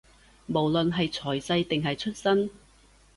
無論係財勢，定係出身